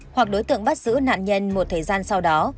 hoặc đối tượng bắt giữ nạn nhân một thời gian sau đó